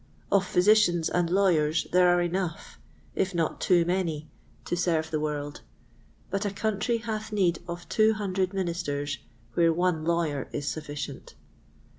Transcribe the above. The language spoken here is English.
Of Physicians and Lawyers there are enough, if not too many, to serve the world; but a country hath need of two hundred Ministers where one Lawyer is sufficient.